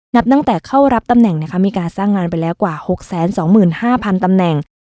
นับตั้งแต่เข้ารับตำแหน่งมีการสร้างงานไปแล้วกว่า๖๒๕๐๐๐ตำแหน่ง